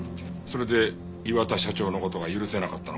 それで磐田社長の事が許せなかったのか？